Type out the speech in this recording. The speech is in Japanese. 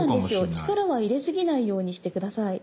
力は入れすぎないようにして下さい。